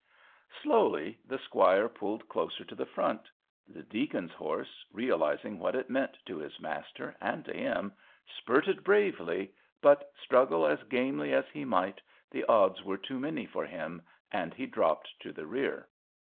Slowly the squire pulled closer to the front; the deacon's horse, realizing what it meant to his master and to him, spurted bravely, but, struggle as gamely as he might, the odds were too many for him, and he dropped to the rear.